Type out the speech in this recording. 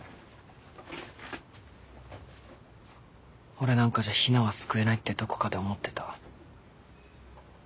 俺なんかじゃヒナは救えないってどこかで思ってた。